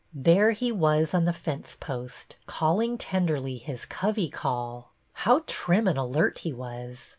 There he was on the fence post, calling tenderly his covey call." How trim and alert he was!